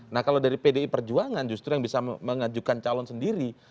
nah kalau dari pdi perjuangan justru yang bisa mengajukan calon sendiri